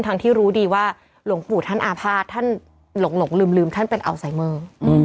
ที่รู้ดีว่าหลวงปู่ท่านอาภาษณ์ท่านหลงลืมท่านเป็นอัลไซเมอร์